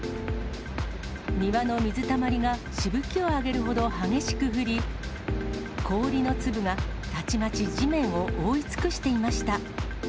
庭の水たまりがしぶきを上げるほど激しく降り、氷の粒がたちまち地面を覆い尽くしていました。